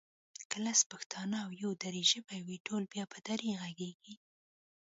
که لس پښتانه او يو دري ژبی وي ټول بیا په دري غږېږي